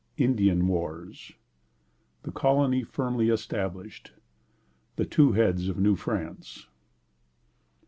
Indian Wars. The Colony firmly established. The two Heads of New France.